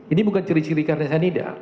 ini bukan ciri ciri karena saya nidah